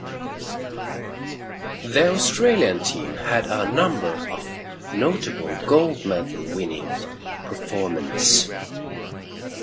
The Australian team had a number of notable gold-medal winning performances.